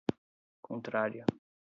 contrária